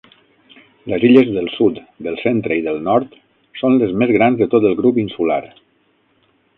Les illes del sud, del centre i del nord són les més grans de tot el grup insular.